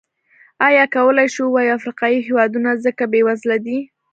ایا کولای شو ووایو افریقايي هېوادونه ځکه بېوزله دي.